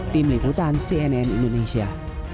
tim liputan cnn indonesia